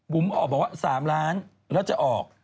ออกบอกว่า๓ล้านแล้วจะออก